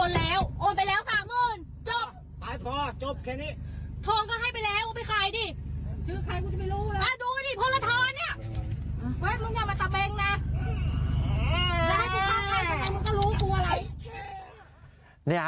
แล้วถ้าพี่ต้องได้เฉย